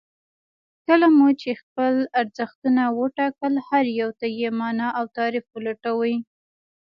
کله مو چې خپل ارزښتونه وټاکل هر يو ته يې مانا او تعريف ولټوئ.